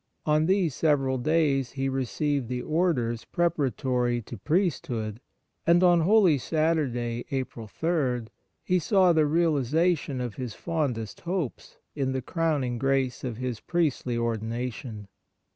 On these several days he received the Orders preparatory to priesthood, and on Holy Saturday, April 3, he saw the realization of his fondest hopes in the crowning grace of his priestly ordination.